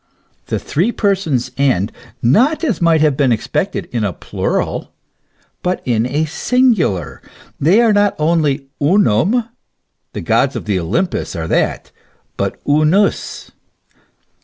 The three Per sons end, not, as might have been expected, in a plural, but in a singular ; they are not only Unum the gods of Olympus are that but Unus.